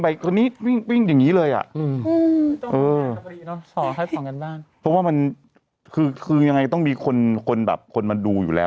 ต้องเรียนหมดทุกอัน